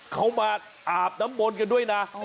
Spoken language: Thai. เขามาอาบน้ำมนต์กันด้วยนะ